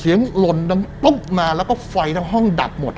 เสียงหล่นมาแล้วก็ไฟทั้งห้องดัดหมด